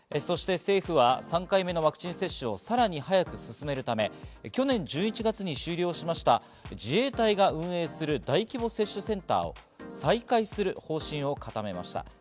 そして政府は３回目のワクチン接種をさらに早く進めるため、去年１１月に終了しました自衛隊が運営する大規模接種センターを再開する方針を固めました。